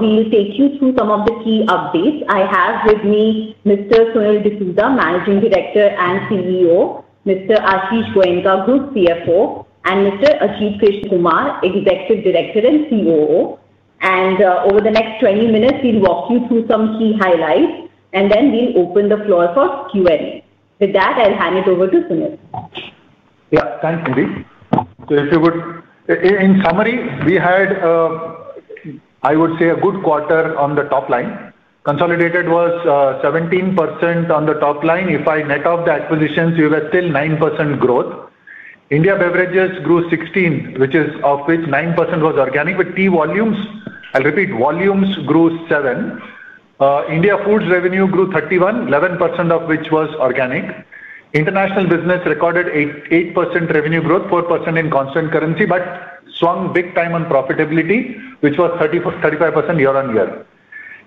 We will take you through some of the key updates. I have with me Mr. Sunil D'Souza, Managing Director and CEO, Mr. Ashish Goenka, Group CFO, and Mr. Ajit Krishnakumar, Executive Director and COO. And over the next 20 minutes, we'll walk you through some key highlights, and then we'll open the floor for Q&A. With that, I'll hand it over to Sunil. Yeah, thanks, Nidhi. So if you would, in summary, we had, I would say, a good quarter on the top line. Consolidated was 17% on the top line. If I net out the acquisitions, we were still 9% growth. India Beverages grew 16%, which is of which 9% was organic. But key volumes, I'll repeat, volumes grew 7%. India Foods revenue grew 31%, 11% of which was organic. International business recorded 8% revenue growth, 4% in constant currency, but swung big time on profitability, which was 35% year on year.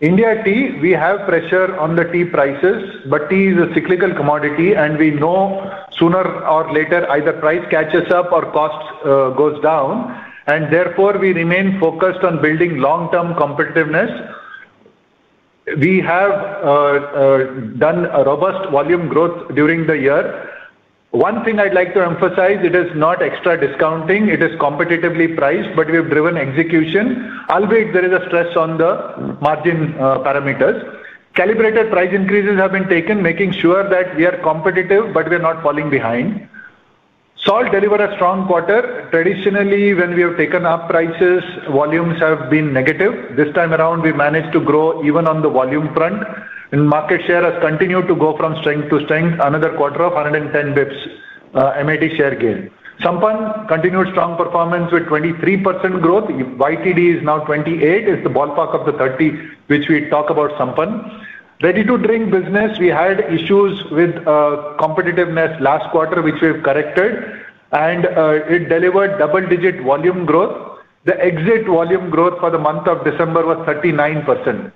India Tea, we have pressure on the tea prices, but tea is a cyclical commodity, and we know sooner or later either price catches up or cost goes down. And therefore, we remain focused on building long-term competitiveness. We have done a robust volume growth during the year. One thing I'd like to emphasize. It is not extra discounting. It is competitively priced, but we have driven execution, albeit there is a stress on the margin parameters. Calibrated price increases have been taken, making sure that we are competitive, but we are not falling behind. Salt delivered a strong quarter. Traditionally, when we have taken up prices, volumes have been negative. This time around, we managed to grow even on the volume front, and market share has continued to go from strength to strength. Another quarter of 110 bps MAT share gain. Sampann continued strong performance with 23% growth. YTD is now 28%, is the ballpark of the 30% which we talk about Sampann. Ready to drink business, we had issues with competitiveness last quarter, which we have corrected, and it delivered double-digit volume growth. The exit volume growth for the month of December was 39%.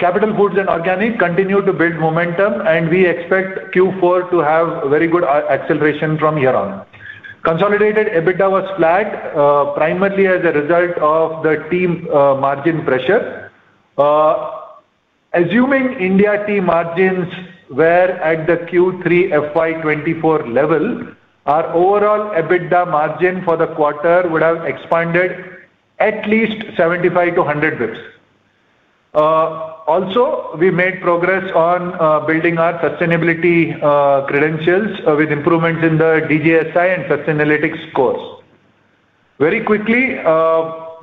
Capital Foods and Organic continued to build momentum, and we expect Q4 to have very good acceleration from here on. Consolidated EBITDA was flat, primarily as a result of the tea margin pressure. Assuming India Tea margins were at the Q3 FY24 level, our overall EBITDA margin for the quarter would have expanded at least 75 to 100 bps. Also, we made progress on building our sustainability credentials with improvements in the DJSI and Sustainalytics scores. Very quickly,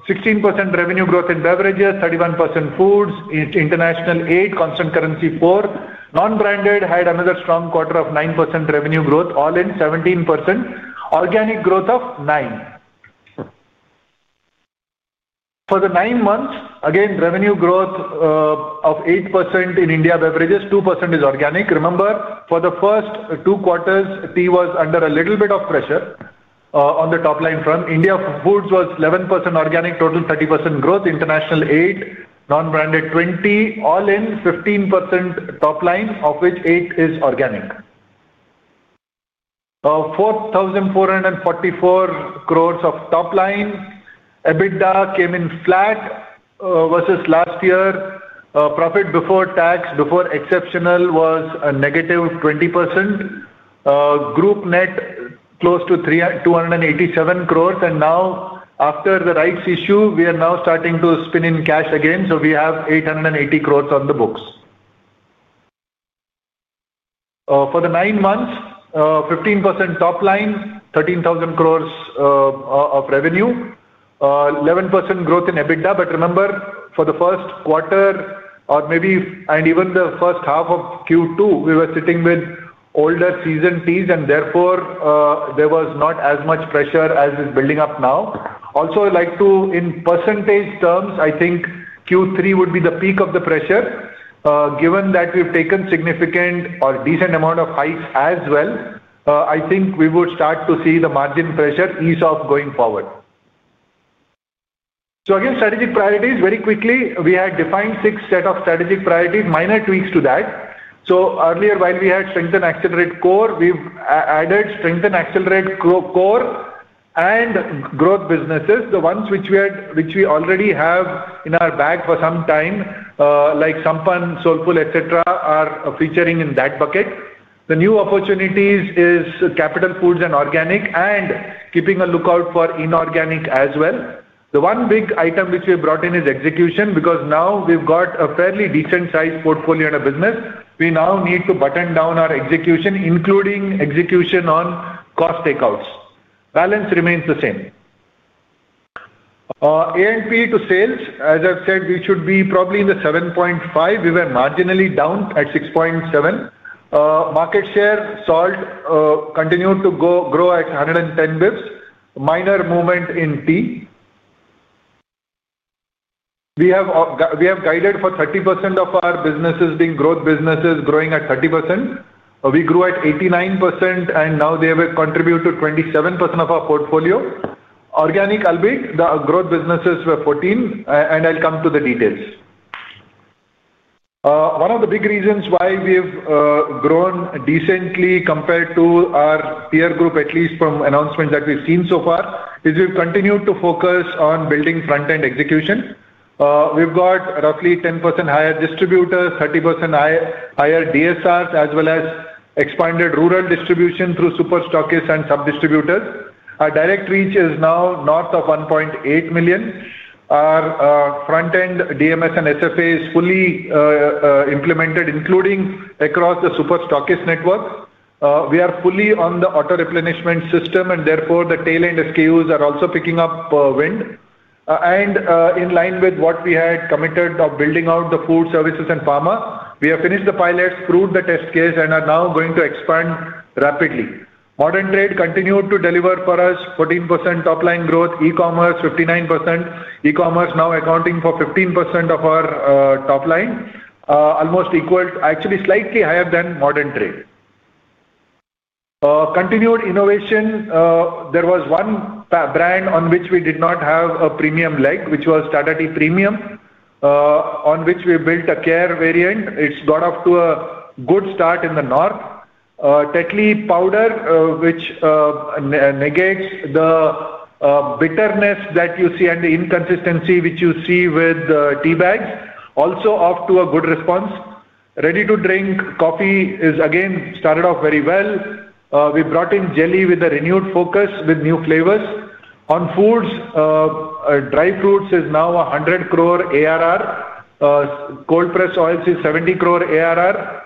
16% revenue growth in beverages, 31% foods, international 8%, constant currency 4%. Non-branded had another strong quarter of 9% revenue growth, all in 17%. Organic growth of 9%. For the nine months, again, revenue growth of 8% in India beverages, 2% is organic. Remember, for the first two quarters, tea was under a little bit of pressure on the top line front. India Foods was 11% organic, total 30% growth. International 8%, non-branded 20%, all in 15% top line, of which 8% is organic. 4,444 crores of top line. EBITDA came in flat versus last year. Profit before tax, before exceptional, was a negative 20%. Group net close to 287 crores, and now, after the rights issue, we are now starting to spin in cash again, so we have 880 crores on the books. For the nine months, 15% top line, 13,000 crores of revenue, 11% growth in EBITDA. But remember, for the first quarter, or maybe, and even the first half of Q2, we were sitting with older season teas, and therefore, there was not as much pressure as is building up now. Also, I'd like to, in percentage terms, I think Q3 would be the peak of the pressure. Given that we've taken significant or decent amount of hikes as well, I think we would start to see the margin pressure ease off going forward. So again, strategic priorities, very quickly, we had defined six sets of strategic priorities, minor tweaks to that. So earlier, while we had strengthen and accelerate core, we've added strengthen and accelerate core and growth businesses. The ones which we already have in our bag for some time, like Sampann, Soulfull, etc., are featuring in that bucket. The new opportunities is Capital Foods and Organic, and keeping a lookout for inorganic as well. The one big item which we have brought in is execution, because now we've got a fairly decent-sized portfolio and a business. We now need to button down our execution, including execution on cost takeouts. Balance remains the same. A&P to sales, as I've said, we should be probably in the 7.5. We were marginally down at 6.7. Market share, salt continued to grow at 110 bps, minor movement in tea. We have guided for 30% of our businesses being growth businesses, growing at 30%. We grew at 89%, and now they have contributed to 27% of our portfolio. Organic, albeit the growth businesses were 14, and I'll come to the details. One of the big reasons why we have grown decently compared to our peer group, at least from announcements that we've seen so far, is we've continued to focus on building front-end execution. We've got roughly 10% higher distributors, 30% higher DSRs, as well as expanded rural distribution through super stockists and sub-distributors. Our direct reach is now north of 1.8 million. Our front-end DMS and SFA is fully implemented, including across the super stockist network. We are fully on the auto-replenishment system, and therefore, the tail-end SKUs are also picking up wind, and in line with what we had committed of building out the food services and pharma, we have finished the pilots, proved the test case, and are now going to expand rapidly. Modern Trade continued to deliver for us 14% top line growth, e-commerce 59%, e-commerce now accounting for 15% of our top line, almost equal, actually slightly higher than Modern Trade. Continued innovation. There was one brand on which we did not have a premium leg, which was Tata Tea Premium, on which we built a chai variant. It's got off to a good start in the north. Tetley powder, which negates the bitterness that you see and the inconsistency which you see with tea bags, also off to a good response. Ready to drink coffee is again started off very well. We brought in jelly with a renewed focus with new flavors. On foods, dry fruits is now 100 crore ARR. Cold-pressed oils is 70 crore ARR.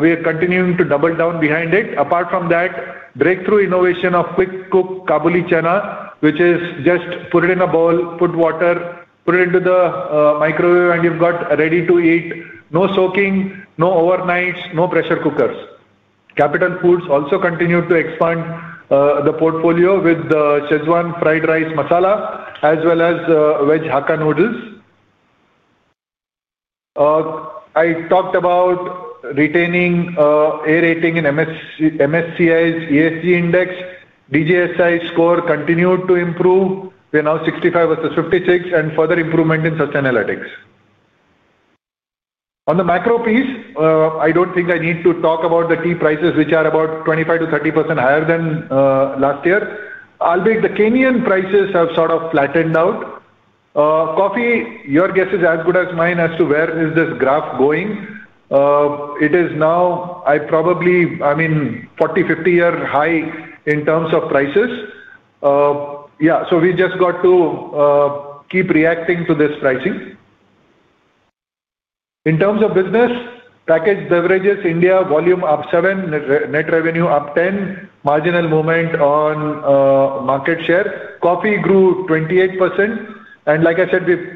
We are continuing to double down behind it. Apart from that, breakthrough innovation of quick cook Kabuli Chana, which is just put it in a bowl, put water, put it into the microwave, and you've got ready to eat. No soaking, no overnights, no pressure cookers. Capital Foods also continued to expand the portfolio with the Schezwan Fried Rice Masala, as well as Veg Hakka Noodles. I talked about retaining AA rating in MSCI's ESG index. DJSI score continued to improve. We are now 65 versus 56, and further improvement in Sustainalytics. On the macro piece, I don't think I need to talk about the tea prices, which are about 25%-30% higher than last year. Albeit the Kenyan prices have sort of flattened out. Coffee, your guess is as good as mine as to where this graph is going. It is now, I probably, I mean, 40, 50-year high in terms of prices. Yeah, so we just got to keep reacting to this pricing. In terms of business, packaged beverages India volume up 7%, net revenue up 10%, marginal movement on market share. Coffee grew 28%. And like I said, we've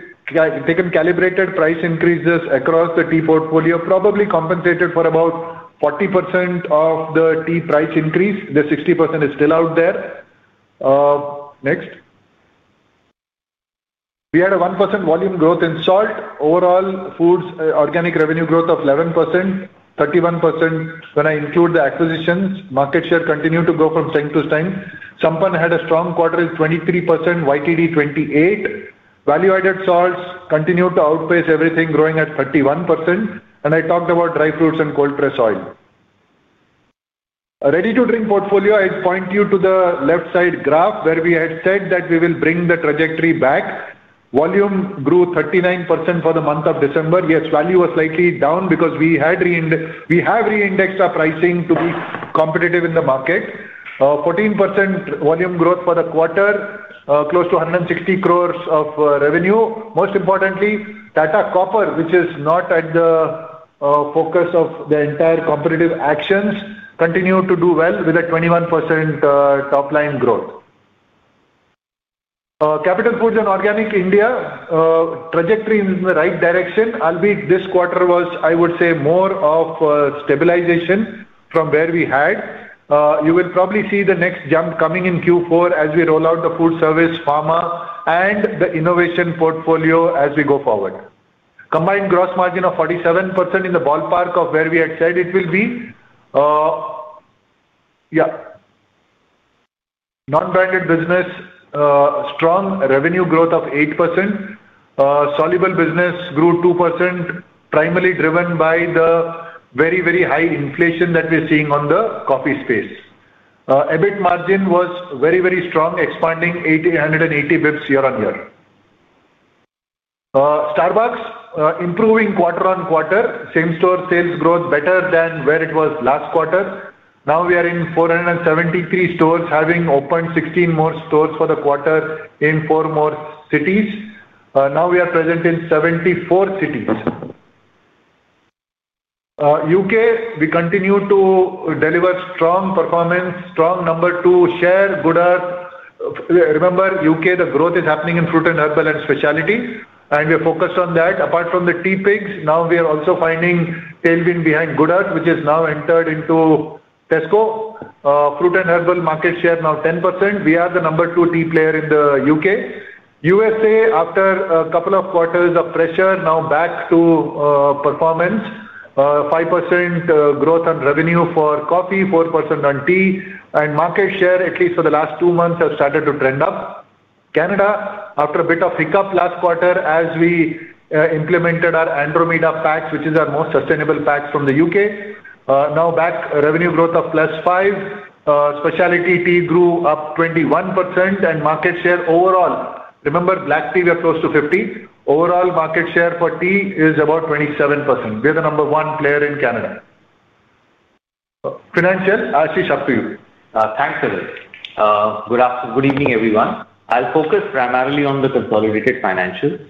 taken calibrated price increases across the tea portfolio, probably compensated for about 40% of the tea price increase. The 60% is still out there. Next. We had a 1% volume growth in salt. Overall, foods organic revenue growth of 11%, 31% when I include the acquisitions. Market share continued to go from strength to strength. Sampann had a strong quarter, 23% YTD 28%. Value-added salts continued to outpace everything, growing at 31%. I talked about dry fruits and cold-pressed oil. Ready to drink portfolio, I'd point you to the left side graph where we had said that we will bring the trajectory back. Volume grew 39% for the month of December. Yes, value was slightly down because we have re-indexed our pricing to be competitive in the market. 14% volume growth for the quarter, close to 160 crores of revenue. Most importantly, Tata Copper+, which is not at the focus of the entire competitive actions, continued to do well with a 21% top line growth. Capital Foods and Organic India trajectory is in the right direction. Albeit this quarter was, I would say, more of a stabilization from where we had. You will probably see the next jump coming in Q4 as we roll out the food service, pharma, and the innovation portfolio as we go forward. Combined gross margin of 47% in the ballpark of where we had said it will be. Yeah. Non-branded business, strong revenue growth of 8%. Soluble business grew 2%, primarily driven by the very, very high inflation that we're seeing on the coffee space. EBIT margin was very, very strong, expanding 180 bps year-on-year. Starbucks, improving quarter on quarter. Same store sales growth better than where it was last quarter. Now we are in 473 stores, having opened 16 more stores for the quarter in four more cities. Now we are present in 74 cities. U.K., we continue to deliver strong performance, strong number two share Good Earth. Remember, U.K., the growth is happening in fruit and herbal and specialty, and we are focused on that. Apart from the Teapigs, now we are also finding tailwind behind Good Earth, which has now entered into Tesco. Fruit and herbal market share now 10%. We are the number two tea player in the U.K. U.S.A., after a couple of quarters of pressure, now back to performance. 5% growth on revenue for coffee, 4% on tea, and market share, at least for the last two months, has started to trend up. Canada, after a bit of hiccup last quarter, as we implemented our Andromeda packs, which is our most sustainable packs from the U.K., now back revenue growth of plus 5%. Specialty tea grew up 21%, and market share overall, remember, black tea, we are close to 50%. Overall, market share for tea is about 27%. We are the number one player in Canada. Financials, Ashish, up to you. Thanks, Sunil. Good evening, everyone. I'll focus primarily on the consolidated financials.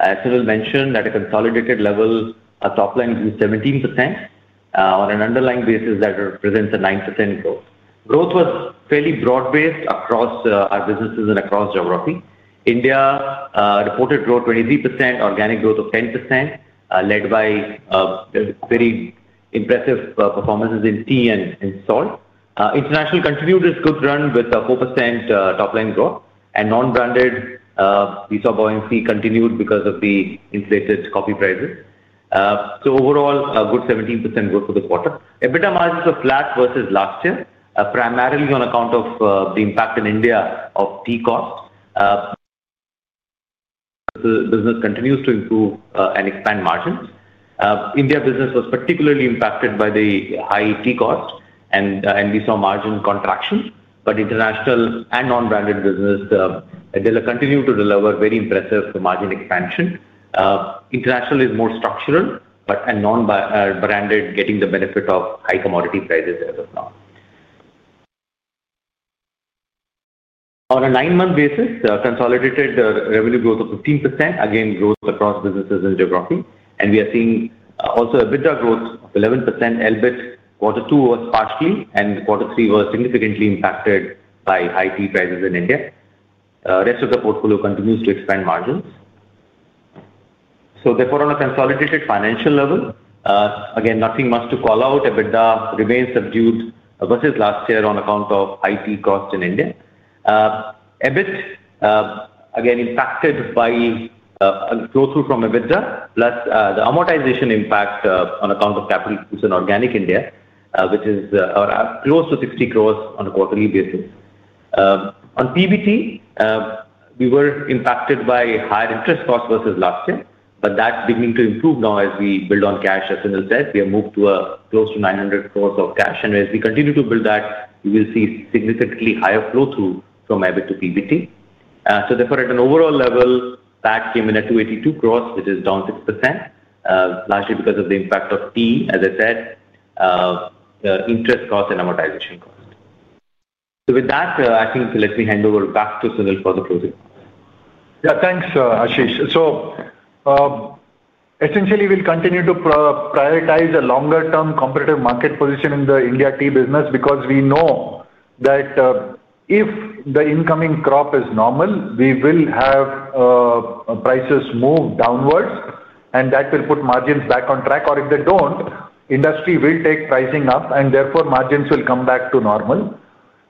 As Sunil mentioned, at a consolidated level, our top line is 17% on an underlying basis that represents a 9% growth. Growth was fairly broad-based across our businesses and across geography. India reported growth 23%, organic growth of 10%, led by very impressive performances in tea and salt. International continued this good run with a 4% top line growth, and non-branded, we saw buoyancy in tea continued because of the inflated coffee prices, so overall, a good 17% growth for the quarter. EBITDA margins were flat versus last year, primarily on account of the impact in India of tea cost. Business continues to improve and expand margins. India business was particularly impacted by the high tea cost, and we saw margin contraction, but international and non-branded business, they continue to deliver very impressive margin expansion. International is more structural, but non-branded is getting the benefit of high commodity prices as of now. On a nine-month basis, consolidated revenue growth of 15%, again, growth across businesses and geography and we are seeing also EBITDA growth of 11%. EBIT quarter two was partially, and quarter three was significantly impacted by high tea prices in India. Rest of the portfolio continues to expand margins so therefore, on a consolidated financial level, again, nothing much to call out. EBITDA remains subdued versus last year on account of high tea cost in India. EBIT, again, impacted by a growth through from EBITDA, plus the amortization impact on account of Capital Foods and Organic India, which is close to 60 crores on a quarterly basis. On PBT, we were impacted by higher interest costs versus last year, but that's beginning to improve now as we build on cash, as Sunil said. We have moved to close to 900 crores of cash, and as we continue to build that, we will see significantly higher flow-through from EBIT to PBT. So therefore, at an overall level, that came in at 282 crores, which is down 6%, largely because of the impact of tea, as I said, interest costs and amortization costs. So with that, I think let me hand over back to Sunil for the closing. Yeah, thanks, Ashish. So essentially, we'll continue to prioritize a longer-term competitive market position in the India tea business because we know that if the incoming crop is normal, we will have prices move downwards, and that will put margins back on track. Or if they don't, industry will take pricing up, and therefore, margins will come back to normal.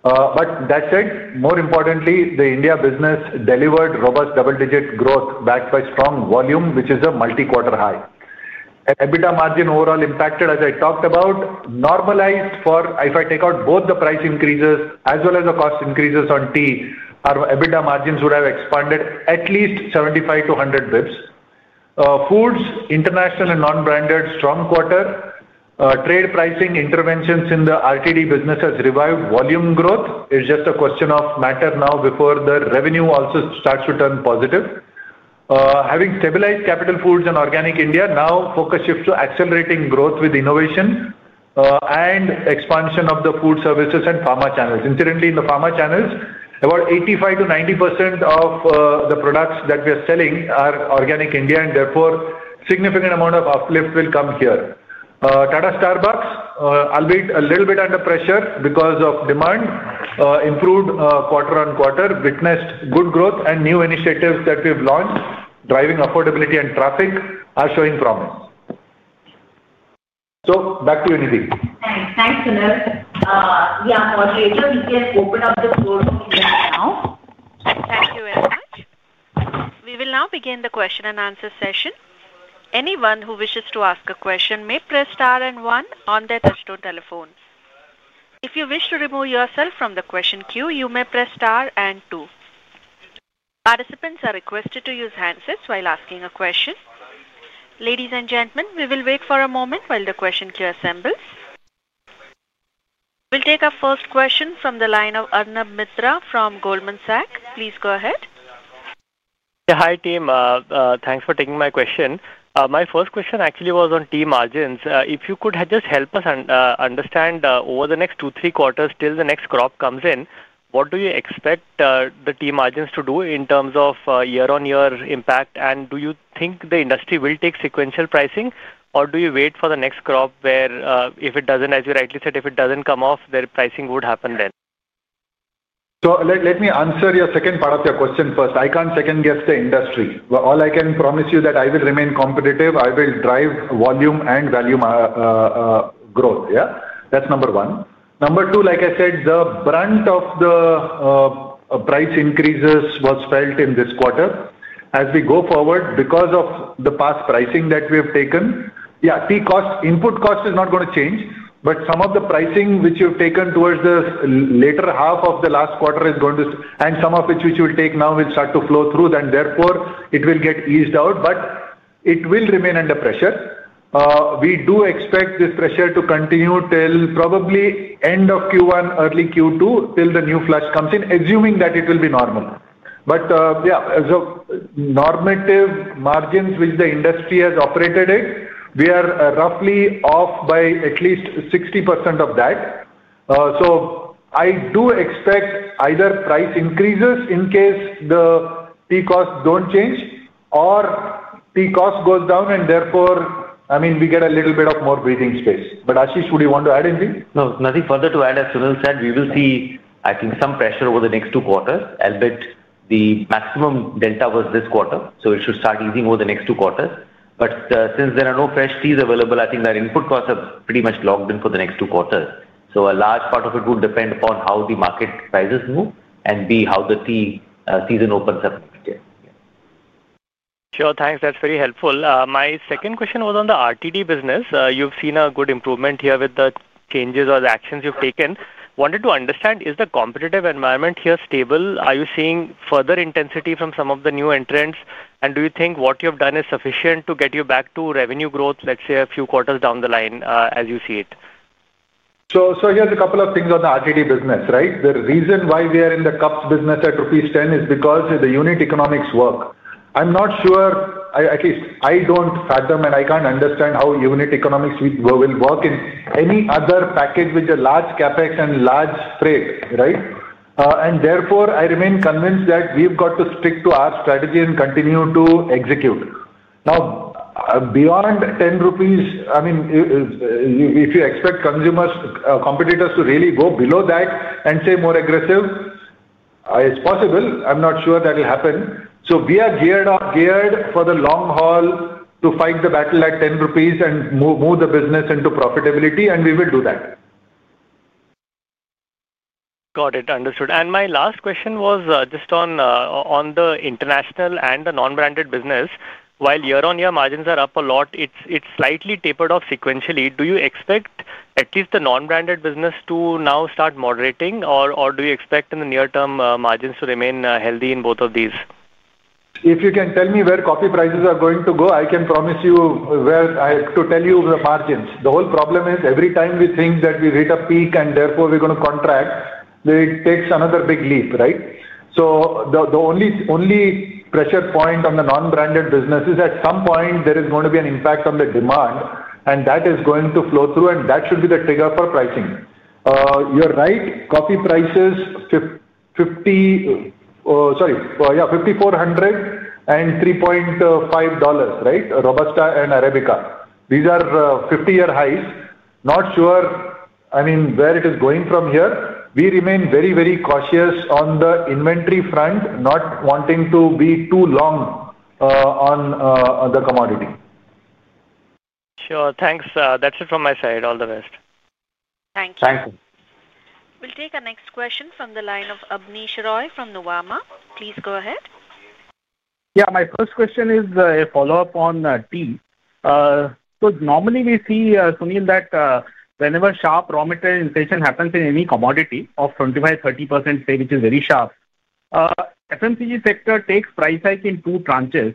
But that said, more importantly, the India business delivered robust double-digit growth backed by strong volume, which is a multi-quarter high. EBITDA margin overall impacted, as I talked about, normalized for if I take out both the price increases as well as the cost increases on tea, our EBITDA margins would have expanded at least 75 to 100 bps. Foods, international and non-branded, strong quarter. Trade pricing interventions in the RTD business has revived volume growth. It's just a question of matter now before the revenue also starts to turn positive. Having stabilized Capital Foods and Organic India, now focus shifts to accelerating growth with innovation and expansion of the food services and pharma channels. Incidentally, in the pharma channels, about 85%-90% of the products that we are selling are Organic India, and therefore, significant amount of uplift will come here. Tata Starbucks, albeit a little bit under pressure because of demand, improved quarter-on-quarter, witnessed good growth, and new initiatives that we've launched, driving affordability and traffic, are showing promise. So back to you, Nidhi. Thanks, Sunil. We are moderators. We can open up the floor to people now. Thank you very much. We will now begin the question and answer session. Anyone who wishes to ask a question may press star and one on their touch-tone telephone. If you wish to remove yourself from the question queue, you may press star and two. Participants are requested to use handsets while asking a question. Ladies and gentlemen, we will wait for a moment while the question queue assembles. We'll take our first question from the line of Arnab Mitra from Goldman Sachs. Please go ahead. Hi team. Thanks for taking my question. My first question actually was on tea margins. If you could just help us understand over the next two, three quarters till the next crop comes in, what do you expect the tea margins to do in terms of year-on-year impact? And do you think the industry will take sequential pricing, or do you wait for the next crop where, if it doesn't, as you rightly said, if it doesn't come off, the pricing would happen then? So let me answer your second part of your question first. I can't second-guess the industry. All I can promise you that I will remain competitive. I will drive volume and value growth. Yeah, that's number one. Number two, like I said, the brunt of the price increases was felt in this quarter. As we go forward, because of the past pricing that we have taken, yeah, tea cost, input cost is not going to change, but some of the pricing which you've taken towards the later half of the last quarter is going to, and some of which we will take now will start to flow through, and therefore, it will get eased out, but it will remain under pressure. We do expect this pressure to continue till probably end of Q1, early Q2, till the new flush comes in, assuming that it will be normal. But yeah, so normative margins which the industry has operated at, we are roughly off by at least 60% of that. So I do expect either price increases in case the tea costs don't change or tea costs go down, and therefore, I mean, we get a little bit of more breathing space. But Ashish, would you want to add anything? No, nothing further to add as Sunil said. We will see, I think, some pressure over the next two quarters. Albeit, the maximum delta was this quarter, so it should start easing over the next two quarters. But since there are no fresh teas available, I think that input costs have pretty much logged in for the next two quarters. So a large part of it would depend upon how the market prices move and how the tea season opens up next year. Sure, thanks. That's very helpful. My second question was on the RTD business. You've seen a good improvement here with the changes or the actions you've taken. Wanted to understand, is the competitive environment here stable? Are you seeing further intensity from some of the new entrants? And do you think what you have done is sufficient to get you back to revenue growth, let's say, a few quarters down the line as you see it? So here's a couple of things on the RTD business, right? The reason why we are in the cups business at rupees 10 is because the unit economics work. I'm not sure, at least I don't fathom, and I can't understand how unit economics will work in any other package with the large CapEx and large trade, right? And therefore, I remain convinced that we've got to stick to our strategy and continue to execute. Now, beyond 10 rupees, I mean, if you expect competitors to really go below that and say more aggressive, it's possible. I'm not sure that will happen. So we are geared for the long haul to fight the battle at 10 rupees and move the business into profitability, and we will do that. Got it. Understood. And my last question was just on the international and the non-branded business. While year-on-year margins are up a lot, it's slightly tapered off sequentially. Do you expect at least the non-branded business to now start moderating, or do you expect in the near term margins to remain healthy in both of these? If you can tell me where coffee prices are going to go, I can promise you where I have to tell you the margins. The whole problem is every time we think that we hit a peak and therefore we're going to contract, it takes another big leap, right? So the only pressure point on the non-branded business is at some point there is going to be an impact on the demand, and that is going to flow through, and that should be the trigger for pricing. You're right, coffee prices 50, sorry, yeah, 5,400 and $3.5, right? Robusta and Arabica. These are 50-year highs. Not sure, I mean, where it is going from here. We remain very, very cautious on the inventory front, not wanting to be too long on the commodity. Sure, thanks. That's it from my side. All the best. Thank you. Thank you. We'll take our next question from the line of Abneesh Roy from Nuvama. Please go ahead. Yeah, my first question is a follow-up on tea. So normally we see, Sunil, that whenever sharp raw material inflation happens in any commodity of 25%-30%, say, which is very sharp, FMCG sector takes price hike in two tranches.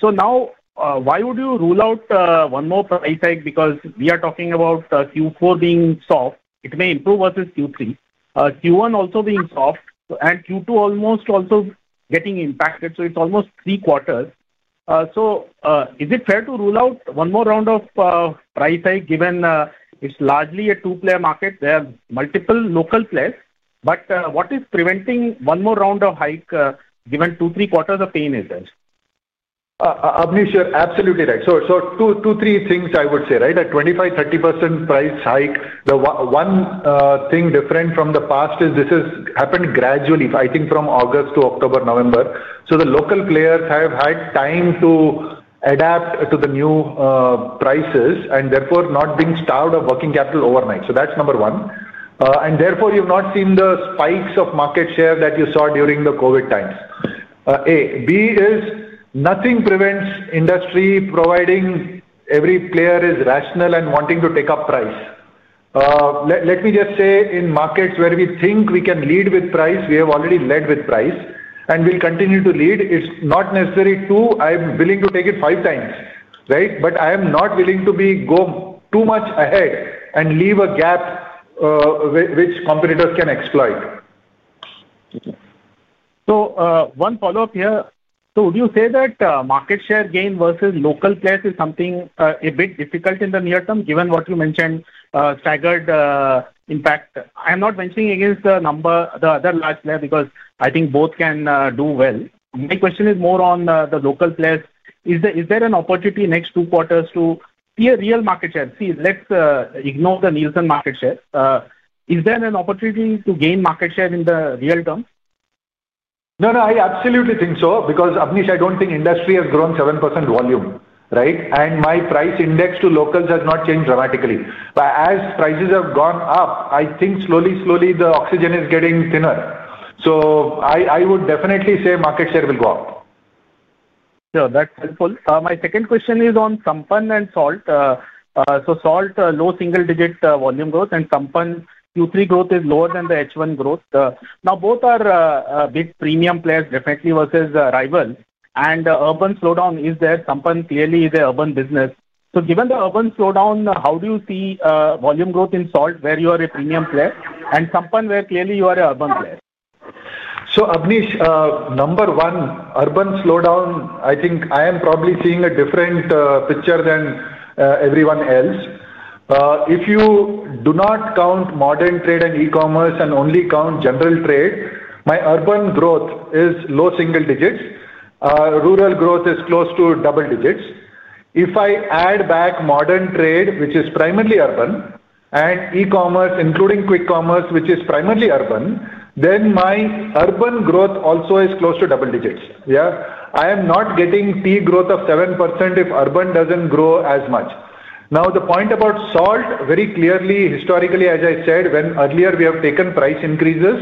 So now, why would you rule out one more price hike? Because we are talking about Q4 being soft. It may improve versus Q3. Q1 also being soft, and Q2 almost also getting impacted. So it's almost three quarters. So is it fair to rule out one more round of price hike given it's largely a two-player market? There are multiple local players. But what is preventing one more round of hike given two, three quarters of pain is there? Abneesh, you're absolutely right. So two, three things I would say, right? At 25%-30% price hike, the one thing different from the past is this has happened gradually, I think, from August to October, November. So the local players have had time to adapt to the new prices and therefore not being starved of working capital overnight. So that's number one. And therefore, you've not seen the spikes of market share that you saw during the COVID times. But nothing prevents industry provided every player is rational and wanting to take up price. Let me just say in markets where we think we can lead with price, we have already led with price and will continue to lead. It's not necessary to. I'm willing to take it five times, right? But I am not willing to go too much ahead and leave a gap which competitors can exploit. So one follow-up here. So would you say that market share gain versus local players is something a bit difficult in the near term given what you mentioned, staggered impact? I'm not venturing against the number, the other large player because I think both can do well. My question is more on the local players. Is there an opportunity next two quarters to see a real market share? See, let's ignore the Nielsen market share. Is there an opportunity to gain market share in the real term? No, no, I absolutely think so because, Abneesh, I don't think industry has grown 7% volume, right? And my price index to locals has not changed dramatically. But as prices have gone up, I think slowly, slowly the oxygen is getting thinner. So I would definitely say market share will go up. Sure, that's helpful. My second question is on Sampann and Salt. So Salt, low single-digit volume growth, and Sampann, Q3 growth is lower than the H1 growth. Now, both are big premium players, definitely versus rivals. And urban slowdown is there. Sampann clearly is an urban business. So given the urban slowdown, how do you see volume growth in Salt where you are a premium player and Sampann where clearly you are an urban player? So Abneesh, number one, urban slowdown, I think I am probably seeing a different picture than everyone else. If you do not count modern trade and e-commerce and only count general trade, my urban growth is low single digits. Rural growth is close to double digits. If I add back modern trade, which is primarily urban, and e-commerce, including quick commerce, which is primarily urban, then my urban growth also is close to double digits. Yeah, I am not getting tea growth of 7% if urban doesn't grow as much. Now, the point about Salt, very clearly, historically, as I said, when earlier we have taken price increases,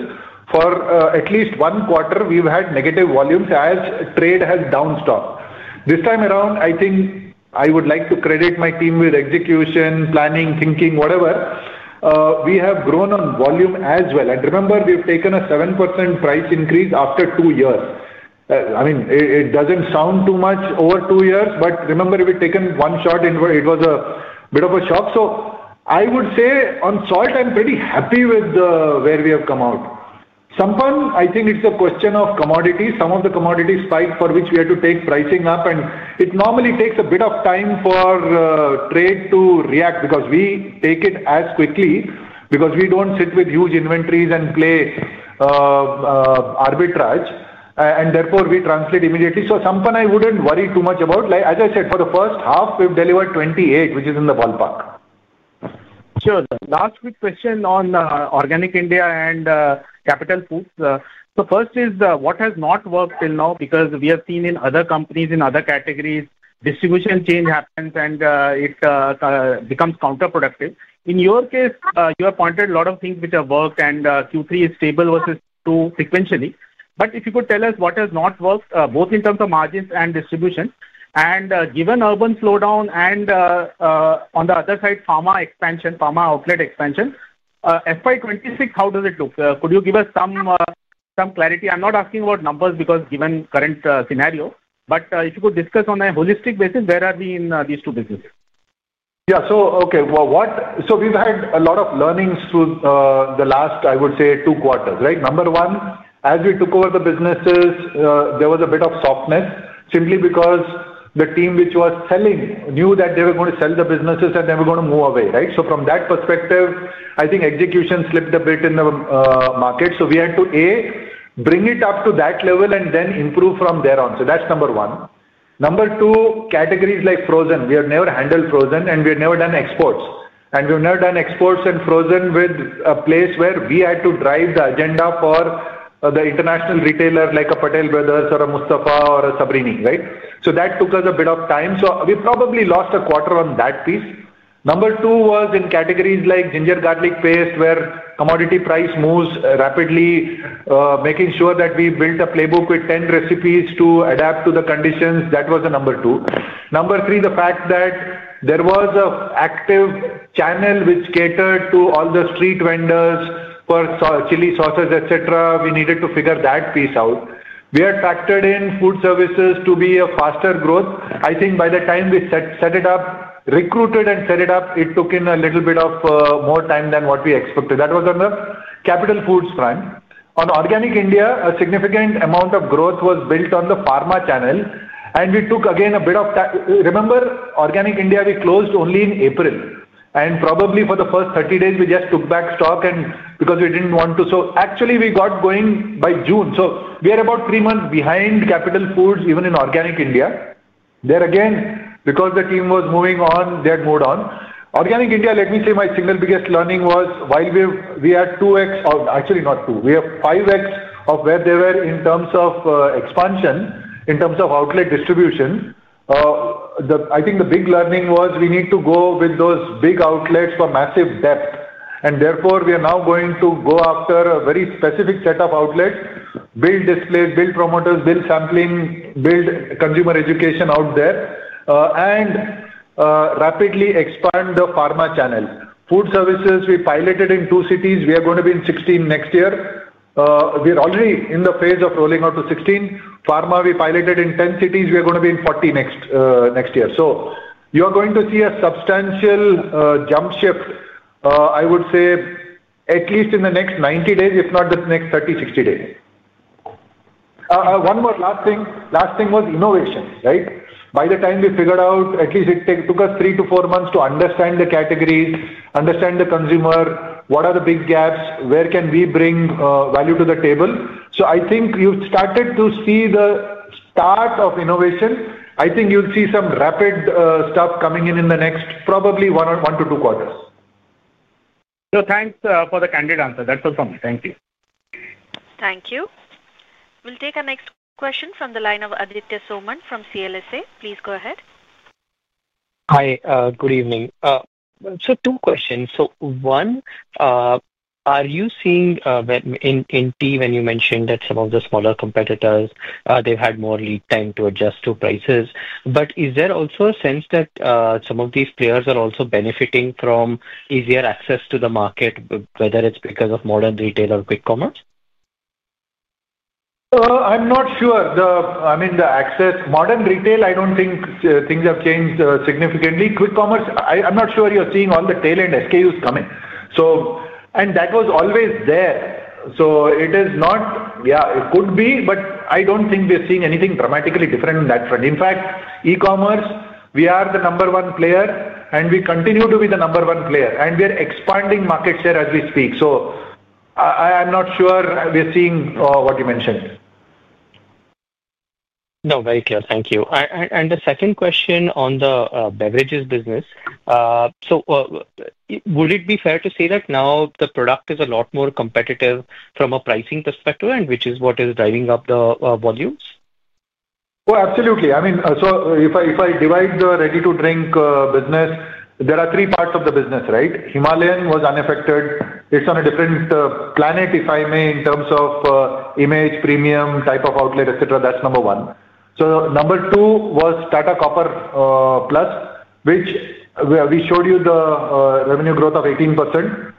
for at least one quarter, we've had negative volumes as trade has downstopped. This time around, I think I would like to credit my team with execution, planning, thinking, whatever. We have grown on volume as well. And remember, we've taken a 7% price increase after two years. I mean, it doesn't sound too much over two years, but remember, we've taken one shot in where it was a bit of a shock. So I would say on Salt, I'm pretty happy with where we have come out. Sampann, I think it's a question of commodity. Some of the commodity spikes for which we had to take pricing up, and it normally takes a bit of time for trade to react because we take it as quickly because we don't sit with huge inventories and play arbitrage, and therefore we translate immediately. So Sampann, I wouldn't worry too much about. As I said, for the first half, we've delivered 28, which is in the ballpark. Sure. Last quick question on Organic India and Capital Foods. So first is what has not worked till now because we have seen in other companies, in other categories, distribution change happens and it becomes counterproductive. In your case, you have pointed a lot of things which have worked and Q3 is stable versus Q2 sequentially. But if you could tell us what has not worked, both in terms of margins and distribution. And given urban slowdown and on the other side, pharma expansion, pharma outlet expansion, FY26, how does it look? Could you give us some clarity? I'm not asking about numbers because given current scenario, but if you could discuss on a holistic basis, where are we in these two businesses? Yeah, so okay. So we've had a lot of learnings through the last, I would say, two quarters, right? Number one, as we took over the businesses, there was a bit of softness simply because the team which was selling knew that they were going to sell the businesses and they were going to move away, right? So from that perspective, I think execution slipped a bit in the market. So we had to, A, bring it up to that level and then improve from there on. So that's number one. Number two, categories like frozen. We have never handled frozen, and we have never done exports. And we have never done exports and frozen with a place where we had to drive the agenda for the international retailer like a Patel Brothers or a Mustafa or a Sainsbury's, right? So that took us a bit of time. So we probably lost a quarter on that piece. Number two was in categories like ginger garlic paste where commodity price moves rapidly, making sure that we built a playbook with 10 recipes to adapt to the conditions. That was the number two. Number three, the fact that there was an active channel which catered to all the street vendors for chili sauces, etc. We needed to figure that piece out. We are factored in food services to be a faster growth. I think by the time we set it up, recruited and set it up, it took a little bit more time than what we expected. That was on the Capital Foods front. On Organic India, a significant amount of growth was built on the pharma channel, and we took again a bit of time. Remember, Organic India, we closed only in April, and probably for the first 30 days, we just took back stock because we didn't want to. So actually, we got going by June. So we are about three months behind Capital Foods, even in Organic India. There again, because the team was moving on, they had moved on. Organic India, let me say my single biggest learning was while we had 2X, actually not two, we have 5X of where they were in terms of expansion, in terms of outlet distribution. I think the big learning was we need to go with those big outlets for massive depth, and therefore we are now going to go after a very specific set of outlets, build displays, build promoters, build sampling, build consumer education out there, and rapidly expand the pharma channel. Food services, we piloted in two cities. We are going to be in 16 next year. We are already in the phase of rolling out to 16. Pharma, we piloted in 10 cities. We are going to be in 40 next year. So you are going to see a substantial jump shift, I would say, at least in the next 90 days, if not the next 30, 60 days. One more last thing. Last thing was innovation, right? By the time we figured out, at least it took us three to four months to understand the categories, understand the consumer, what are the big gaps, where can we bring value to the table. So I think you've started to see the start of innovation. I think you'll see some rapid stuff coming in in the next probably one to two quarters. So thanks for the candid answer. That's all from me. Thank you. Thank you. We'll take our next question from the line of Aditya Soman from CLSA. Please go ahead. Hi, good evening. So two questions. So one, are you seeing in tea when you mentioned that some of the smaller competitors, they've had more lead time to adjust to prices? But is there also a sense that some of these players are also benefiting from easier access to the market, whether it's because of modern retail or quick commerce? I'm not sure. I mean, the access, modern retail, I don't think things have changed significantly. Quick commerce, I'm not sure you're seeing all the tail and SKUs coming. And that was always there. So it is not, yeah, it could be, but I don't think we're seeing anything dramatically different in that front. In fact, e-commerce, we are the number one player, and we continue to be the number one player. And we are expanding market share as we speak. So I'm not sure we're seeing what you mentioned. No, very clear. Thank you. And the second question on the beverages business. So would it be fair to say that now the product is a lot more competitive from a pricing perspective, which is what is driving up the volumes? Oh, absolutely. I mean, so if I divide the ready-to-drink business, there are three parts of the business, right? Himalayan was unaffected. It's on a different planet, if I may, in terms of image, premium type of outlet, etc. That's number one. So number two was Tata Copper+, which we showed you the revenue growth of 18%.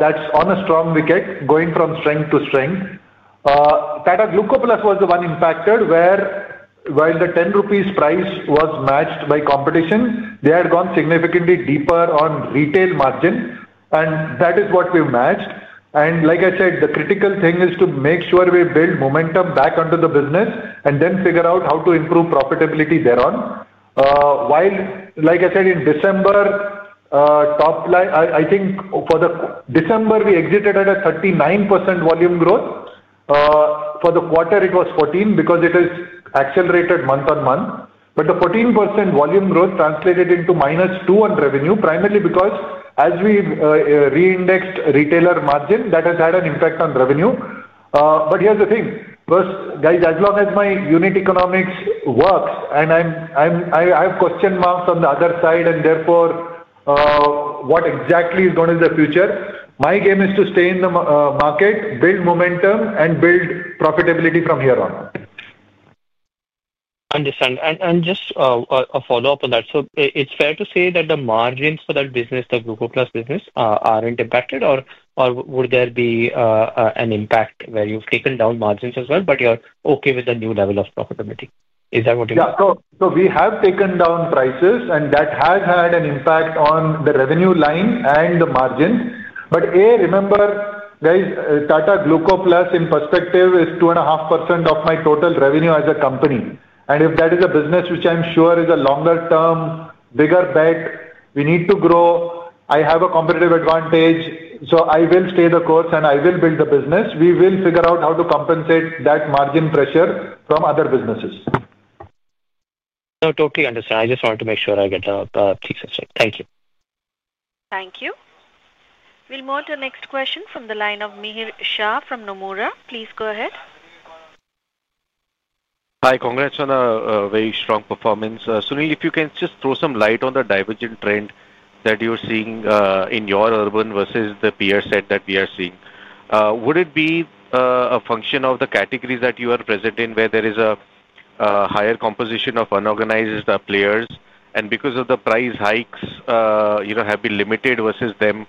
That's on a strong wicket, going from strength to strength. Tata Gluco+ was the one impacted where while the 10 rupees price was matched by competition, they had gone significantly deeper on retail margin, and that is what we matched. And like I said, the critical thing is to make sure we build momentum back onto the business and then figure out how to improve profitability thereon. While, like I said, in December, I think for the December, we exited at a 39% volume growth. For the quarter, it was 14% because it has accelerated month on month. But the 14% volume growth translated into -2% on revenue, primarily because as we reindexed retailer margin, that has had an impact on revenue. But here's the thing. First, guys, as long as my unit economics works, and I have question marks on the other side, and therefore what exactly is going to be the future, my game is to stay in the market, build momentum, and build profitability from here on. Understand. And just a follow-up on that. So it's fair to say that the margins for that business, the Gluco+ business, aren't impacted, or would there be an impact where you've taken down margins as well, but you're okay with the new level of profitability? Is that what you mean? Yeah. So we have taken down prices, and that has had an impact on the revenue line and the margins. But A, remember, guys, Tata Gluco+ in perspective is 2.5% of my total revenue as a company. And if that is a business which I'm sure is a longer-term, bigger bet, we need to grow. I have a competitive advantage, so I will stay the course and I will build the business. We will figure out how to compensate that margin pressure from other businesses. No, totally understand. I just wanted to make sure I get a precise answer. Thank you. Thank you. We'll move to the next question from the line of Mihir Shah from Nomura. Please go ahead. Hi, congrats on a very strong performance. Sunil, if you can just throw some light on the divergent trend that you're seeing in your urban versus the peer set that we are seeing. Would it be a function of the categories that you are present in where there is a higher composition of unorganized players? And because of the price hikes have been limited versus them,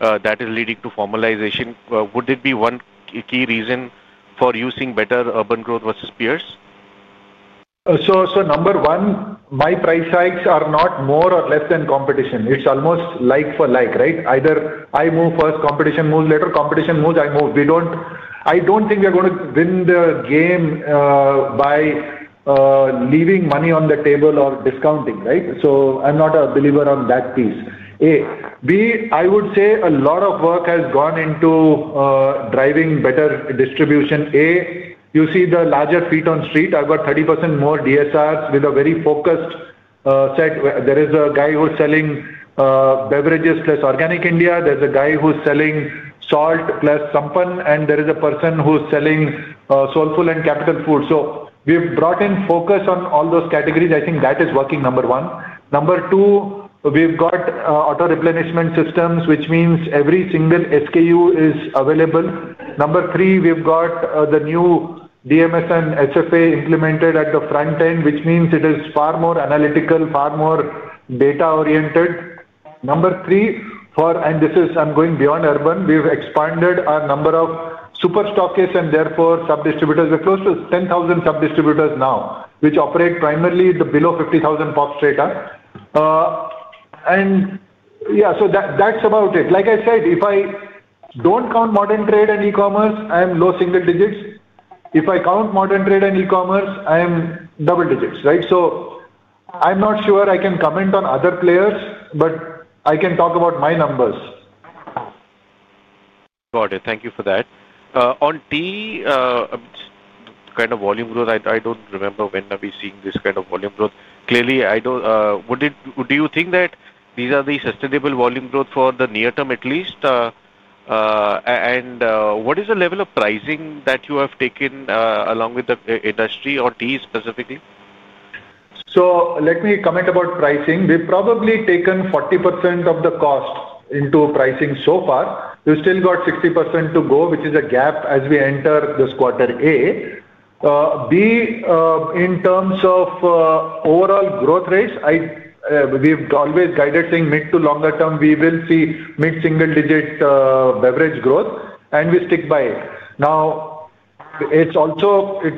that is leading to formalization. Would it be one key reason for using better urban growth versus peers? So number one, my price hikes are not more or less than competition. It's almost like for like, right? Either I move first, competition moves later. Competition moves, I move. I don't think we are going to win the game by leaving money on the table or discounting, right? I'm not a believer on that piece. A, B, I would say a lot of work has gone into driving better distribution. A, you see the larger feet on the street. I've got 30% more DSRs with a very focused set. There is a guy who's selling beverages plus Organic India. There's a guy who's selling Salt plus Sampann, and there is a person who's selling Soulfull and Capital Foods. So we've brought in focus on all those categories. I think that is working number one. Number two, we've got auto replenishment systems, which means every single SKU is available. Number three, we've got the new DMS and SFA implemented at the front end, which means it is far more analytical, far more data-oriented. Number three, and this is I'm going beyond urban, we've expanded our number of super stockists and therefore sub-distributors. We're close to 10,000 sub-distributors now, which operate primarily below 50,000 pops data, and yeah, so that's about it. Like I said, if I don't count modern trade and e-commerce, I'm low single digits. If I count modern trade and e-commerce, I'm double digits, right, so I'm not sure I can comment on other players, but I can talk about my numbers. Got it. Thank you for that. On tea, kind of volume growth, I don't remember when I've been seeing this kind of volume growth. Clearly, I don't. Do you think that these are the sustainable volume growth for the near term at least, and what is the level of pricing that you have taken along with the industry or tea specifically? So let me comment about pricing. We've probably taken 40% of the cost into pricing so far. We've still got 60% to go, which is a gap as we enter this quarter. In terms of overall growth rates, we've always guided saying mid- to longer-term, we will see mid-single-digit beverage growth, and we stick by it. Now, it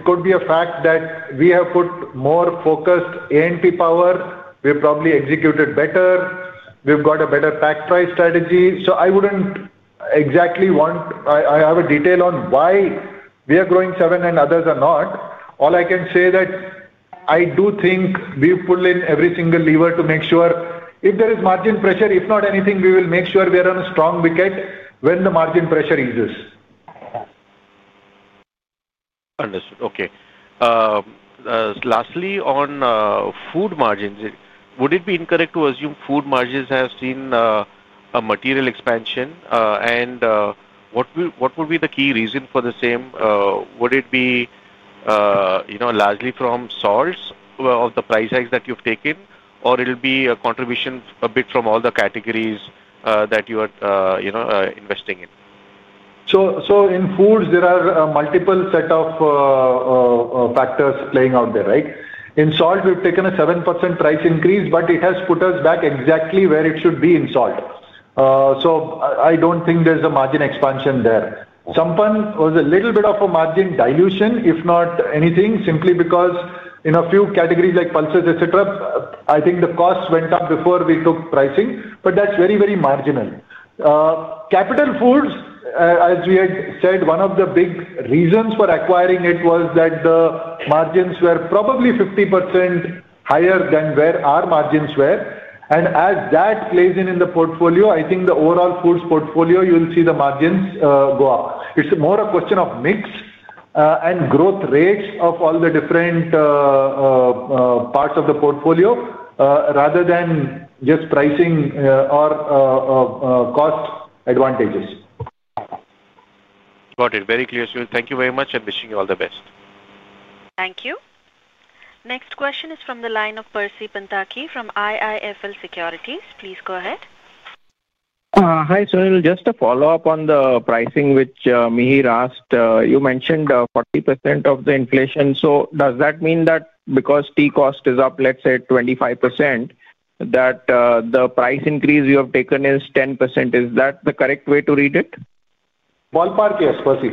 could be a fact that we have put more focused A&P power. We've probably executed better. We've got a better pack-price strategy. So I wouldn't exactly want to detail on why we are growing seven and others are not. All I can say that I do think we've pulled in every single lever to make sure if there is margin pressure, if not anything, we will make sure we are on a strong wicket when the margin pressure eases. Understood. Okay. Lastly, on food margins, would it be incorrect to assume food margins have seen a material expansion? What would be the key reason for the same? Would it be largely from salt's of the price hikes that you've taken, or it'll be a contribution a bit from all the categories that you are investing in? In foods, there are multiple set of factors playing out there, right? In Salt, we've taken a 7% price increase, but it has put us back exactly where it should be in Salt. So I don't think there's a margin expansion there. Sampann was a little bit of a margin dilution, if not anything, simply because in a few categories like pulses, etc., I think the cost went up before we took pricing, but that's very, very marginal. Capital Foods, as we had said, one of the big reasons for acquiring it was that the margins were probably 50% higher than where our margins were. And as that plays in the portfolio, I think the overall foods portfolio, you'll see the margins go up. It's more a question of mix and growth rates of all the different parts of the portfolio rather than just pricing or cost advantages. Got it. Very clear. Sunil, thank you very much, and wishing you all the best. Thank you. Next question is from the line of Percy Panthaki from IIFL Securities. Please go ahead. Hi, Sunil. Just a follow-up on the pricing, which Mihir asked. You mentioned 40% of the inflation. So does that mean that because tea cost is up, let's say, 25%, that the price increase you have taken is 10%? Is that the correct way to read it? Ballpark, yes, Percy.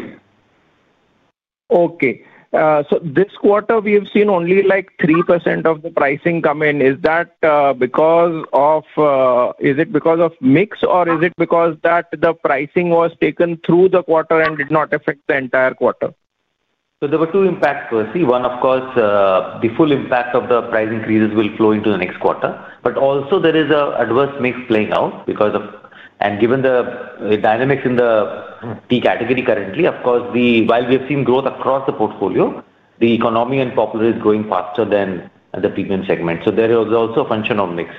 Okay. So this quarter, we have seen only like 3% of the pricing come in. Is that because of is it because of mix, or is it because that the pricing was taken through the quarter and did not affect the entire quarter? So there were two impacts, Percy. One, of course, the full impact of the price increases will flow into the next quarter. But also, there is an adverse mix playing out because of and given the dynamics in the tea category currently, of course, while we have seen growth across the portfolio, the economy and popular is going faster than the premium segment. So there is also a function of mix.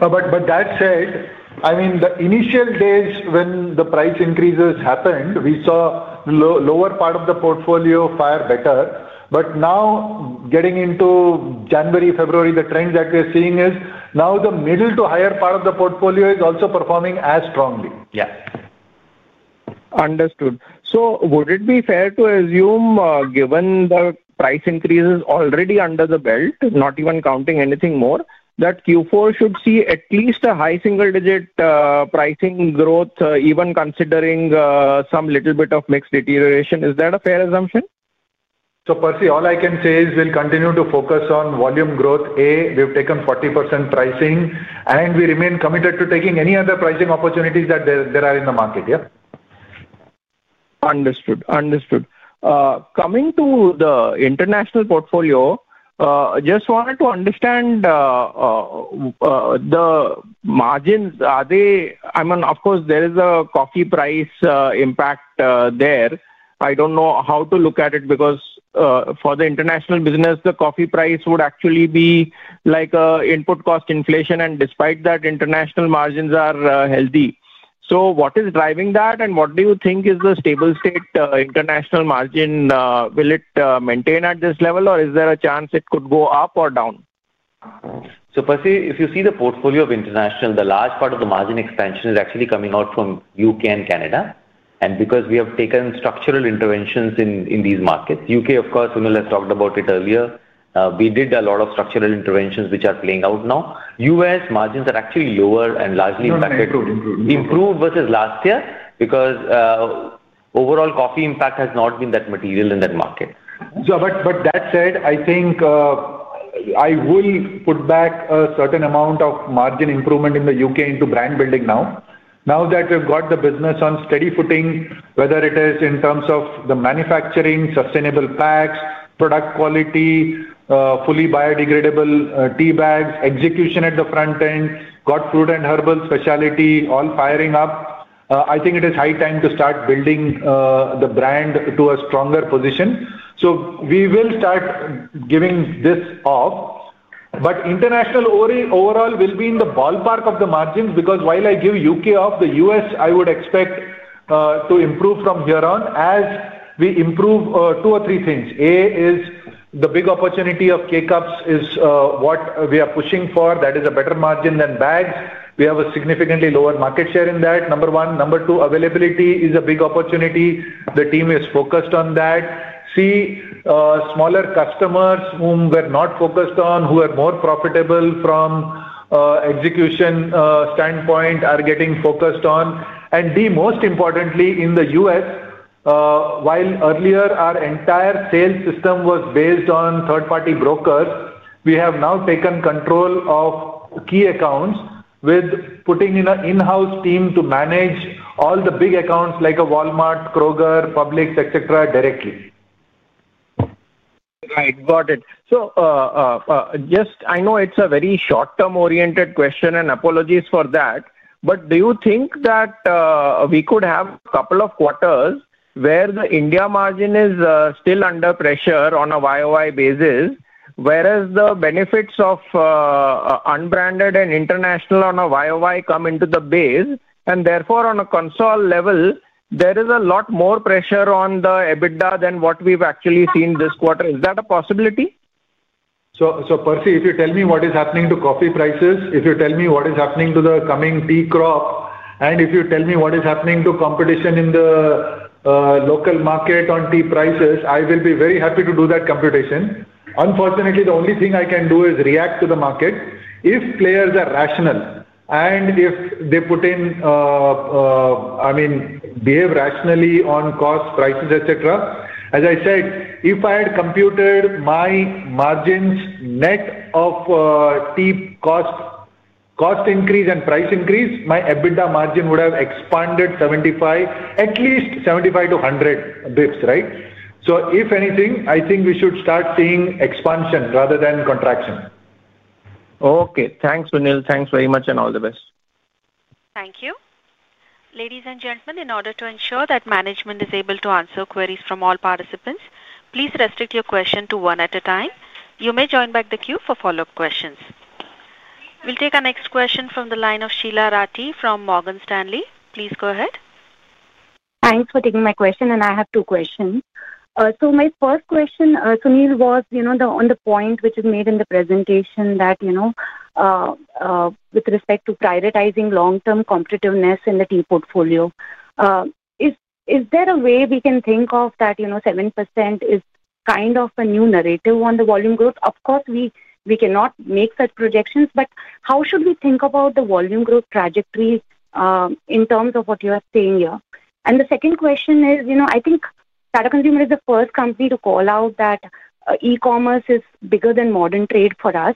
But that said, I mean, the initial days when the price increases happened, we saw the lower part of the portfolio fire better. But now, getting into January, February, the trend that we're seeing is now the middle to higher part of the portfolio is also performing as strongly. Yeah. Understood. So would it be fair to assume, given the price increases already under the belt, not even counting anything more, that Q4 should see at least a high single-digit pricing growth, even considering some little bit of mixed deterioration? Is that a fair assumption? So Percy, all I can say is we'll continue to focus on volume growth. A, we've taken 40% pricing, and we remain committed to taking any other pricing opportunities that there are in the market, yeah? Understood. Understood. Coming to the international portfolio, just wanted to understand the margins. I mean, of course, there is a coffee price impact there. I don't know how to look at it because for the international business, the coffee price would actually be like an input cost inflation, and despite that, international margins are healthy. So what is driving that, and what do you think is the stable state international margin? Will it maintain at this level, or is there a chance it could go up or down? So Percy, if you see the portfolio of international, the large part of the margin expansion is actually coming out from U.K. and Canada. And because we have taken structural interventions in these markets, U.K., of course, Sunil has talked about it earlier. We did a lot of structural interventions, which are playing out now. U.S. margins are actually lower and largely impacted. Improved. Improved versus last year because overall coffee impact has not been that material in that market. But that said, I think I will put back a certain amount of margin improvement in the U.K. into brand building now. Now that we've got the business on steady footing, whether it is in terms of the manufacturing, sustainable packs, product quality, fully biodegradable tea bags, execution at the front end, got fruit and herbal specialty, all firing up, I think it is high time to start building the brand to a stronger position. So we will start giving this off. But international overall will be in the ballpark of the margins because while I give U.K. off, the U.S. I would expect to improve from here on as we improve two or three things. A is the big opportunity of K-Cups is what we are pushing for. That is a better margin than bags. We have a significantly lower market share in that, number one. Number two, availability is a big opportunity. The team is focused on that. C, smaller customers whom we're not focused on, who are more profitable from execution standpoint, are getting focused on. And D, most importantly, in the U.S., while earlier our entire sales system was based on third-party brokers, we have now taken control of key accounts with putting in an in-house team to manage all the big accounts like Walmart, Kroger, Publix, etc., directly. Right. Got it. So just, I know it's a very short-term oriented question and apologies for that, but do you think that we could have a couple of quarters where the India margin is still under pressure on a YoY basis, whereas the benefits of unbranded and international on a YoY come into the base, and therefore on a consolidated level, there is a lot more pressure on the EBITDA than what we've actually seen this quarter? Is that a possibility? So Percy, if you tell me what is happening to coffee prices, if you tell me what is happening to the coming tea crop, and if you tell me what is happening to competition in the local market on tea prices, I will be very happy to do that computation. Unfortunately, the only thing I can do is react to the market. If players are rational and if they put in, I mean, behave rationally on costs, prices, etc., as I said, if I had computed my margins net of tea cost increase and price increase, my EBITDA margin would have expanded 75, at least 75 bps-100 bps, right? So if anything, I think we should start seeing expansion rather than contraction. Okay. Thanks, Sunil. Thanks very much and all the best. Thank you. Ladies and gentlemen, in order to ensure that management is able to answer queries from all participants, please restrict your question to one at a time. You may join back the queue for follow-up questions. We'll take our next question from the line of Sheela Rathi from Morgan Stanley. Please go ahead. Thanks for taking my question, and I have two questions. So my first question, Sunil, was on the point which was made in the presentation that with respect to prioritizing long-term competitiveness in the tea portfolio, is there a way we can think of that 7% is kind of a new narrative on the volume growth? Of course, we cannot make such projections, but how should we think about the volume growth trajectory in terms of what you are saying here? The second question is, I think Tata Consumer is the first company to call out that e-commerce is bigger than modern trade for us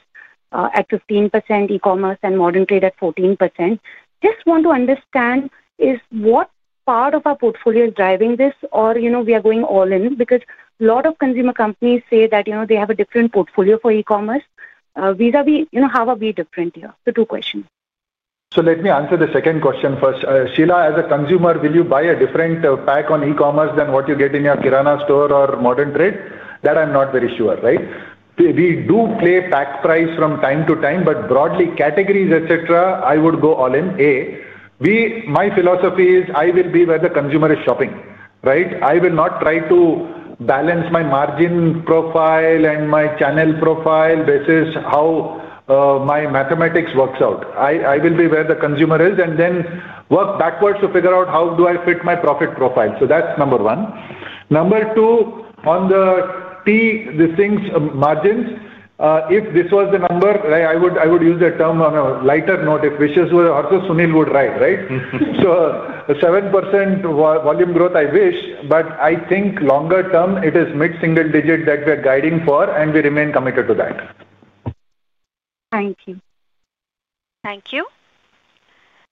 at 15% e-commerce and modern trade at 14%. Just want to understand, is what part of our portfolio is driving this, or we are going all in? Because a lot of consumer companies say that they have a different portfolio for e-commerce. Vice versa, how are we different here? So two questions. So let me answer the second question first. Sheela, as a consumer, will you buy a different pack on e-commerce than what you get in your kirana store or modern trade? That I'm not very sure, right? We do play with pack price from time to time, but broadly, categories, etc., I would go all in. A, my philosophy is I will be where the consumer is shopping, right? I will not try to balance my margin profile and my channel profile basis how my mathematics works out. I will be where the consumer is and then work backwards to figure out how do I fit my profit profile. So that's number one. Number two, on the tea business margins, if this was the number, I would use the term on a lighter note. If wishes were horses, Sunil would ride, right? So 7% volume growth, I wish, but I think longer term, it is mid-single digit that we are guiding for, and we remain committed to that. Thank you. Thank you.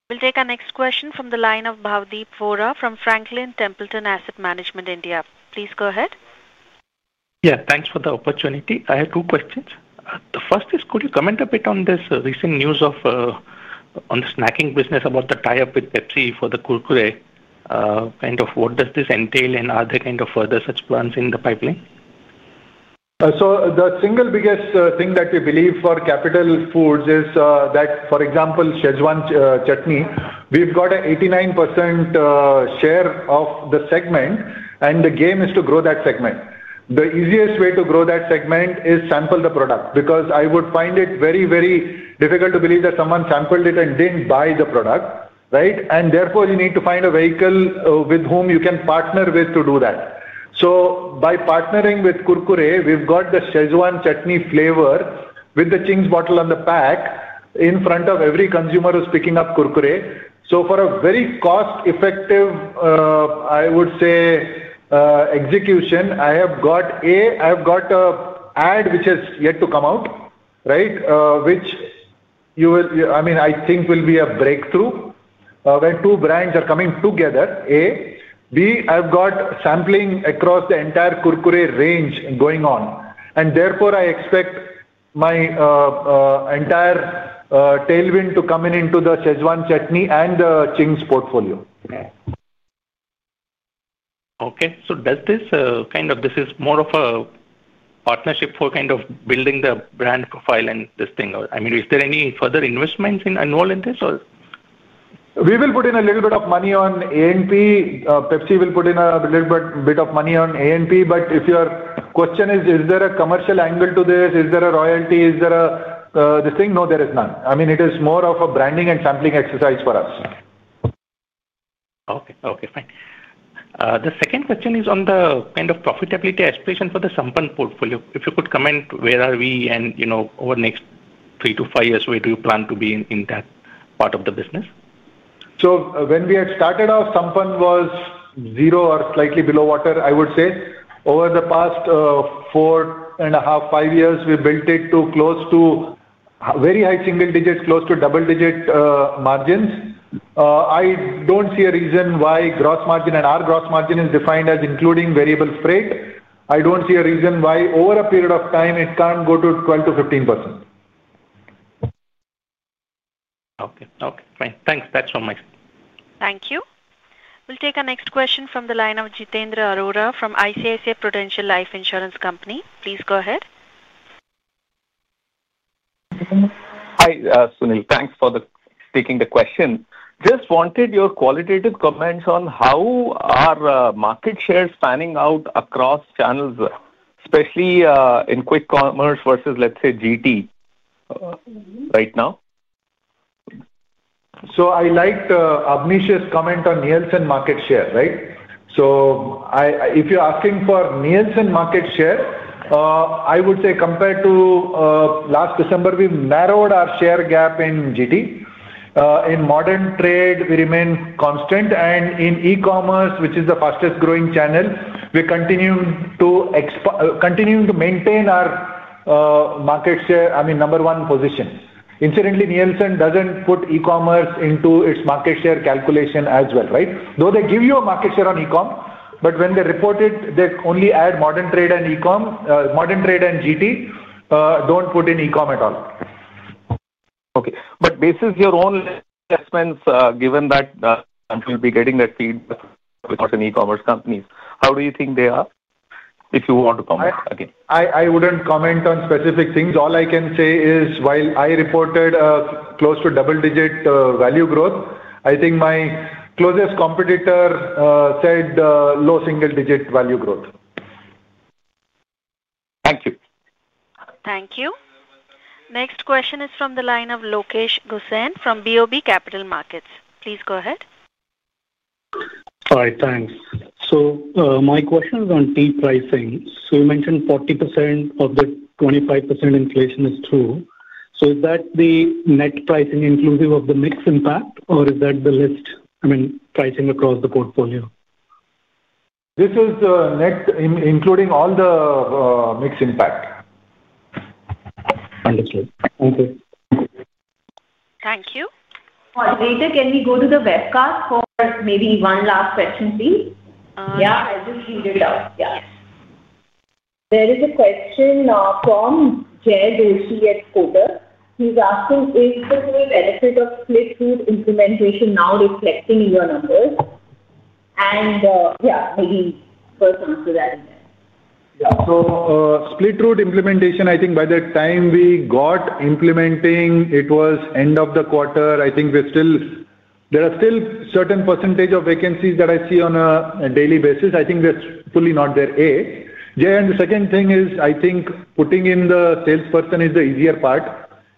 We'll take our next question from the line of Bhavdeep Vora from Franklin Templeton Asset Management, India. Please go ahead. Yeah. Thanks for the opportunity. I have two questions. The first is, could you comment a bit on this recent news on the snacking business about the tie-up with Pepsi for the Kurkure? Kind of what does this entail, and are there kind of further such plans in the pipeline? So the single biggest thing that we believe for Capital Foods is that, for example, Schezwan Chutney, we've got an 89% share of the segment, and the game is to grow that segment. The easiest way to grow that segment is sample the product because I would find it very, very difficult to believe that someone sampled it and didn't buy the product, right? And therefore, you need to find a vehicle with whom you can partner with to do that. So by partnering with Kurkure, we've got the Schezwan Chutney flavor with the Ching's bottle on the pack in front of every consumer who's picking up Kurkure. So for a very cost-effective, I would say, execution, I have got A, I have got an ad which has yet to come out, right, which I mean, I think will be a breakthrough when two brands are coming together. A, B, I've got sampling across the entire Kurkure range going on. And therefore, I expect my entire tailwind to come in into the Schezwan Chutney and the Ching's portfolio. Okay. So does this kind of this is more of a partnership for kind of building the brand profile and this thing? I mean, is there any further investments involved in this, or? We will put in a little bit of money on A&P. Pepsi will put in a little bit of money on A&P, but if your question is, is there a commercial angle to this? Is there a royalty? Is there a this thing? No, there is none. I mean, it is more of a branding and sampling exercise for us. Okay. Okay. Fine. The second question is on the kind of profitability aspiration for the Sampann portfolio. If you could comment, where are we and over the next three-to-five years, where do you plan to be in that part of the business? So when we had started, our Sampann was zero or slightly below water, I would say. Over the past four and a half, five years, we built it to close to very high single-digit margins, close to double-digit margins. I don't see a reason why gross margin and our gross margin is defined as including variable spread. I don't see a reason why over a period of time, it can't go to 12%-15%. Okay. Okay. Fine. Thanks. That's all my question. Thank you. We'll take our next question from the line of Jitendra Arora from ICICI Prudential Life Insurance Company. Please go ahead. Hi, Sunil. Thanks for taking the question. Just wanted your qualitative comments on how are market shares panning out across channels, especially in quick commerce versus, let's say, GT right now? So I liked Abneesh's comment on Nielsen market share, right? So if you're asking for Nielsen market share, I would say compared to last December, we've narrowed our share gap in GT. In modern trade, we remain constant, and in e-commerce, which is the fastest growing channel, we're continuing to maintain our market share, I mean, number one position. Incidentally, Nielsen doesn't put e-commerce into its market share calculation as well, right? Though they give you a market share on e-com, but when they report it, they only add modern trade and e-com, modern trade and GT, don't put in e-com at all. Okay. But based on your own assessments, given that we'll be getting that feed with e-commerce companies, how do you think they are if you want to comment again? I wouldn't comment on specific things. All I can say is, while I reported close to double-digit value growth, I think my closest competitor said low single-digit value growth. Thank you. Thank you. Next question is from the line of Lokesh Gusain from BOB Capital Markets. Please go ahead. Hi. Thanks. So my question is on tea pricing. So you mentioned 40% of the 25% inflation is true. So is that the net pricing inclusive of the mixed impact, or is that the list, I mean, pricing across the portfolio? This is the net including all the mixed impact. Understood. Thank you. Thank you. Let me go to the webcast for maybe one last question, please. Yeah. I just needed out. Yeah. There is a question from Jay Doshi at Kotak. He's asking, is the whole benefit of split route implementation now reflecting in your numbers? And yeah, maybe first answer that. So split route implementation, I think by the time we got implementing, it was end of the quarter. I think there are still certain percentage of vacancies that I see on a daily basis. I think that's fully not there. A. Jay, and the second thing is, I think putting in the salesperson is the easier part.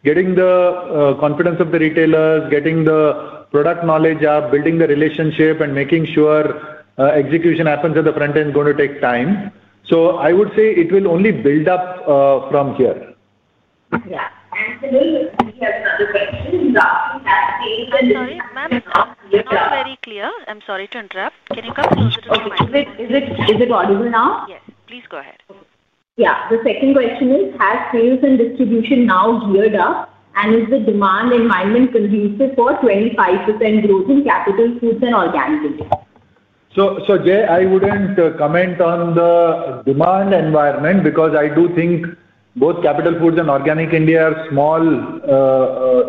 Getting the confidence of the retailers, getting the product knowledge up, building the relationship, and making sure execution happens at the front end is going to take time. So I would say it will only build up from here. Yeah. Actually, we have another question. Sorry, ma'am. You're not very clear. I'm sorry to interrupt. Can you come closer to the mic? Is it audible now? Yes. Please go ahead. Yeah. The second question is, has sales and distribution now geared up, and is the demand environment conducive for 25% growth in Capital Foods and Organic India? So Jay, I wouldn't comment on the demand environment because I do think both Capital Foods and Organic India are small.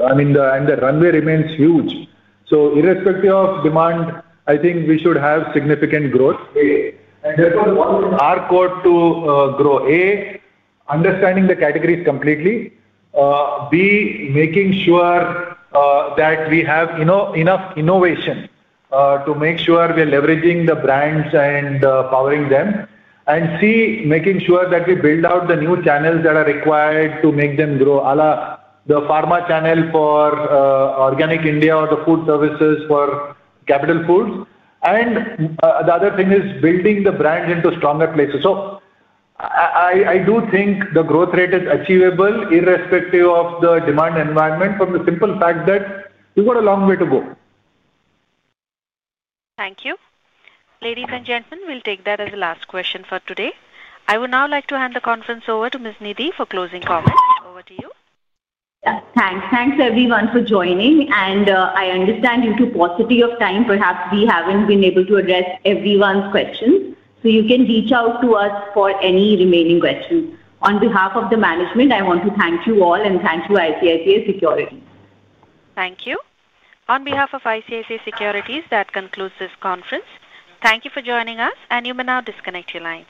I mean, the runway remains huge. So irrespective of demand, I think we should have significant growth. And therefore, our core to grow, A, understanding the categories completely, B, making sure that we have enough innovation to make sure we are leveraging the brands and powering them, and C, making sure that we build out the new channels that are required to make them grow, a la the pharma channel for Organic India or the food services for Capital Foods. And the other thing is building the brand into stronger places. So I do think the growth rate is achievable irrespective of the demand environment from the simple fact that we've got a long way to go. Thank you. Ladies and gentlemen, we'll take that as the last question for today. I would now like to hand the conference over to Ms. Nidhi for closing comments. Over to you. Thanks. Thanks, everyone, for joining. And I understand due to paucity of time, perhaps we haven't been able to address everyone's questions. So you can reach out to us for any remaining questions. On behalf of the management, I want to thank you all and thank you ICICI Securities. Thank you. On behalf of ICICI Securities, that concludes this conference. Thank you for joining us, and you may now disconnect your lines.